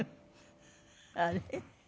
「あれ？」。